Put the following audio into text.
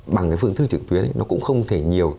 bằng cái phương thức trực tuyến nó cũng không thể nhiều